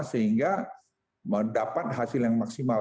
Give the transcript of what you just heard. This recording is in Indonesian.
sehingga mendapat hasil yang maksimal